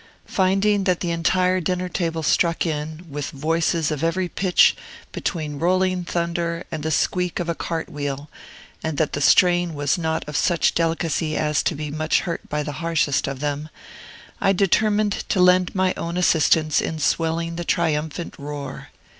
Finding that the entire dinner table struck in, with voices of every pitch between rolling thunder and the squeak of a cart wheel, and that the strain was not of such delicacy as to be much hurt by the harshest of them, I determined to lend my own assistance in swelling the triumphant roar.